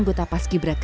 kisah pas kiberaika